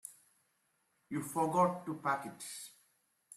You forgot to pack it.